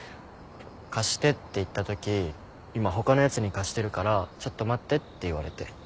貸してって言ったとき今他のやつに貸してるからちょっと待ってって言われて。